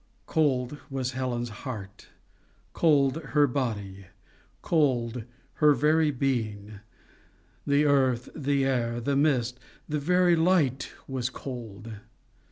Cold was Helen's heart, cold her body, cold her very being. The earth, the air, the mist, the very light was cold.